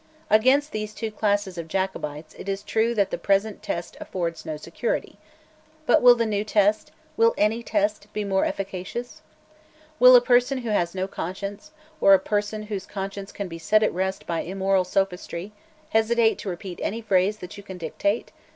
Against these two classes of Jacobites it is true that the present test affords no security. But will the new test, will any test, be more efficacious? Will a person who has no conscience, or a person whose conscience can be set at rest by immoral sophistry, hesitate to repeat any phrase that you can dictate?